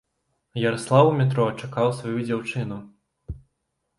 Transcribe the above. Яраслаў у метро чакаў сваю дзяўчыну.